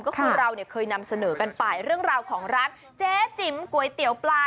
ก็คือเราเนี่ยเคยนำเสนอกันไปเรื่องราวของร้านเจ๊จิ๋มก๋วยเตี๋ยวปลา